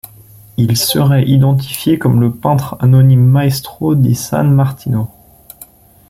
Il serait identifié comme le peintre anonyme Maestro di San Martino.